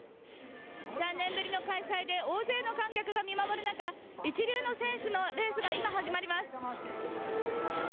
３年ぶりの開催で大勢の観客が見守る中、一流の選手のレースが今、始まります。